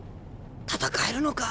戦えるのか？